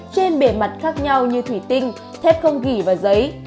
trên bề mặt khác nhau như thủy tinh thép không ghi và giấy